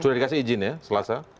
sudah dikasih izin ya selasa